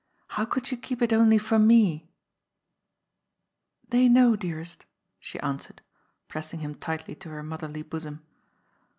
"How could you keep it only for me ?" "They know, dearest," she answered, pressing him tightly to her motherly bosom.